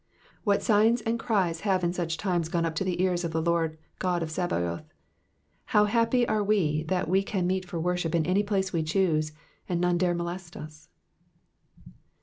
"What sighs and cries have in such times gone up to the ears of the Lord God of Sabaoth. How happy are we that we can meet for worship in any place we choose, and none dare molest us.